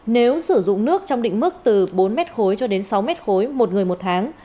nếu sử dụng nước trong định mức từ bốn m khối cho đến sáu mét khối một người một tháng